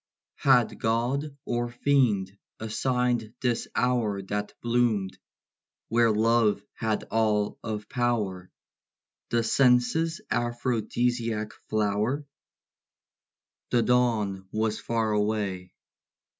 Had God or Fiend assigned this hour That bloomed, where love had all of power, The senses' aphrodisiac flower? The dawn was far away.